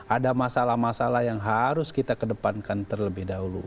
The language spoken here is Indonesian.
ada masalah masalah yang harus kita kedepankan terlebih dahulu